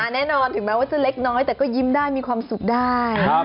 แน่นอนถึงแม้ว่าจะเล็กน้อยแต่ก็ยิ้มได้มีความสุขได้